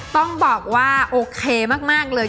ต้องบอกว่าโอเคมากเลย